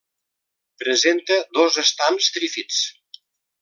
Presenta dos estams trífids.